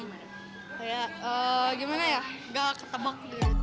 kayak gimana ya nggak ketemuk